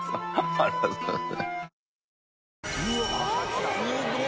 ありがとうございます。